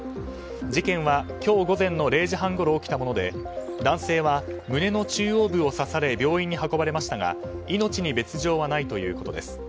事件は今日午前の０時半ごろ起きたもので男性は胸の中央部を刺され病院に運ばれましたが命に別条はないということです。